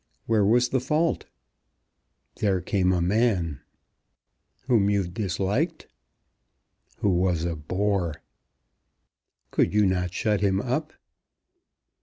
"Where was the fault?" "There came a man." "Whom you disliked?" "Who was a bore." "Could you not shut him up?"